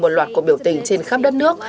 một loạt cuộc biểu tình trên khắp đất nước